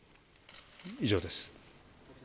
以上です。